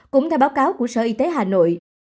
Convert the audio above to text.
cũng theo báo cáo của sở y tế hà nội